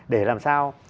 để làm sao